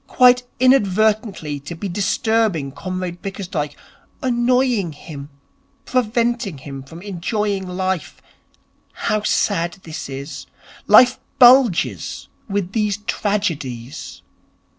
Quite inadvertently to be disturbing Comrade Bickersdyke, annoying him, preventing him from enjoying life. How sad this is. Life bulges with these tragedies.'